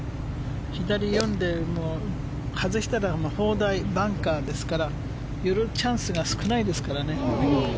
左読んで、外したら砲台、バンカーですから寄るチャンスが少ないですよね。